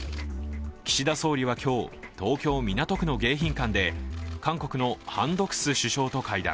岸田総理は今日、東京・港区の迎賓館で韓国のハン・ドクス首相と会談。